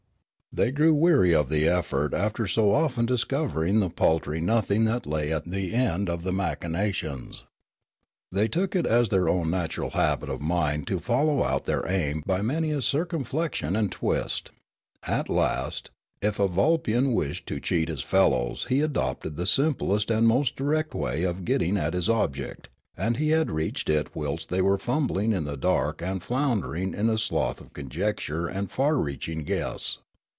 They grew weary of the effort after so often discovering the paltry nothing that lay at the end of the machinations. They took it as their own natural habit of mind to follow out their aim by many a circumflexion and twist. At last, if a Vulpian wished to cheat his fellows he adopted the simplest and most direct way of getting at his object ; and he had reached it whilst they were fumbling in the dark and floundering in a slough of conjecture and far reaching guess.